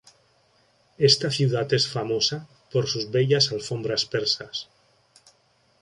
Esta ciudad es famosa por sus bellas alfombras persas.